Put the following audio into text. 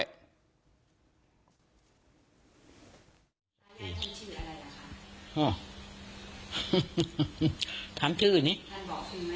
ยายทำชื่ออะไรล่ะครับ